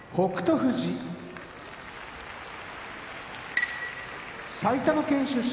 富士埼玉県出身